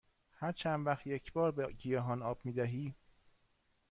هر چند وقت یک بار به گیاهان آب می دهی؟